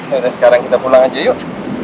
ya udah sekarang kita pulang aja yuk